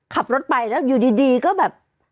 ขับรถไปแล้วอยู่ดีก็แบบ